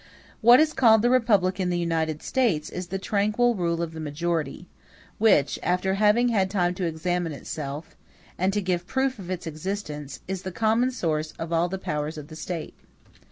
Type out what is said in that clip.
What is called the republic in the United States, is the tranquil rule of the majority, which, after having had time to examine itself, and to give proof of its existence, is the common source of all the powers of the State.